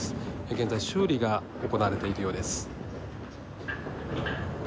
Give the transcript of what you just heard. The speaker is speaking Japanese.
現在、修理が行われているようです。